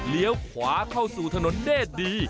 เลี้ยวขวาเข้าสู่ถนนได้ดี